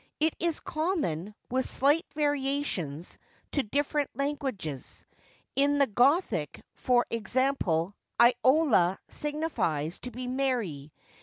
It is common, with slight variations, to different languages. In the Gothic, for example, Iola signifies to make merry.